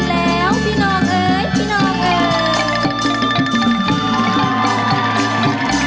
กลับมาที่สุดท้าย